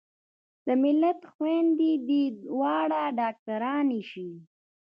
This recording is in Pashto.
د ملت خويندې دې واړه ډاکترانې شي